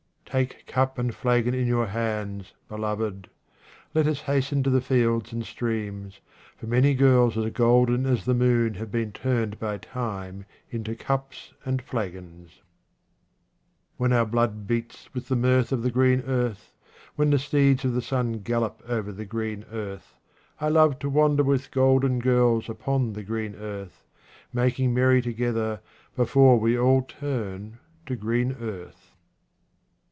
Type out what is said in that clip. Take cup and flagon in your hands, beloved. Let us hasten to the fields and streams, for many girls as golden as the moon have been turned by time into cups and flagons. When our blood beats with the mirth of the 14 QUATRAINS OF OMAR KHAYYAM green earth, when the steeds of the sun gallop over the green earth, I love to wander with golden girls upon the green earth, making merry together before we all turn to green earth.